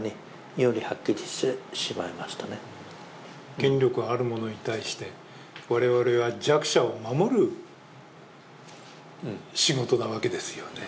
権力ある者に対して我々は弱者を守る仕事なわけですよね。